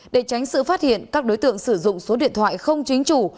để tránh sự phát hiện các đối tượng sử dụng số điện thoại không chính chủ